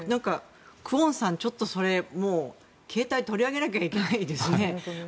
クォンさん、ちょっとそれ携帯を取り上げなきゃいけないですね。